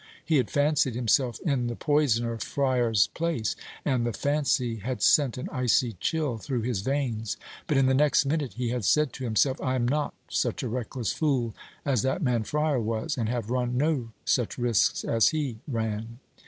He had fancied himself in the poisoner Fryar's place; and the fancy had sent an icy chill through his veins. But in the next minute he had said to himself, "I am not such a reckless fool as that man Fryar was; and have run no such risks as he ran."